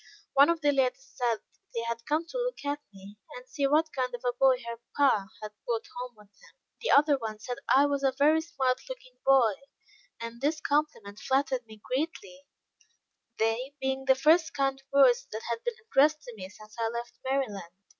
One of the ladies said, they had come to look at me, and see what kind of a boy her pa had brought home with him. The other one said I was a very smart looking boy; and this compliment flattered me greatly they being the first kind words that had been addressed to me since I left Maryland.